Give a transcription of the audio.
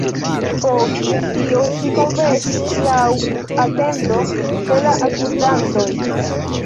Post tio ŝi konfesis laŭ atendo de la akuzantoj.